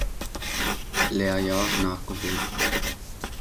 Lehrjahr nachgeholt.